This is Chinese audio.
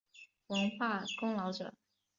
文化功劳者。